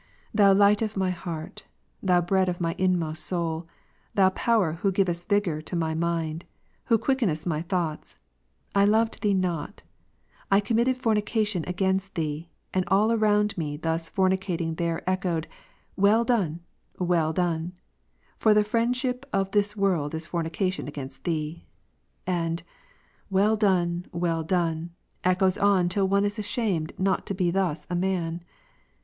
Thou light of my heart. Thou bread of my inmost soul. Thou Power who givest vigour to my mind, who quickenest my thoughts, I loved Thee not. I committed fornication against Thee, and all around me thus fornicating Jas. 4, 4. there echoed " Well done ! well done !" for the friendship of this ivorld is fornication against Thee ^; and " Well done ! well done !" echoes on till one is ashamed not to be thus a man.